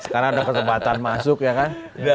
karena ada kesempatan masuk ya kan